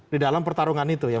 di dalam pertarungan itu ya